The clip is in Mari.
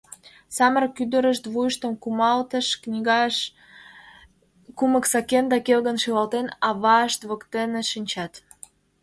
Самырык ӱдырышт, вуйыштым кумалтыш книгаш кумык сакен да келгын шӱлалтен, авашт воктене шинчат.